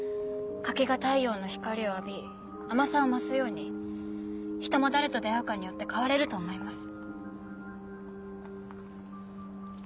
柿が太陽の光を浴び甘さを増すように人も誰と出会うかによって変われると思います。